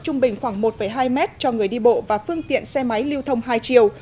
tổng chiều rộng trung bình khoảng một hai m cho người đi bộ và phương tiện xe máy lưu thông hai chiều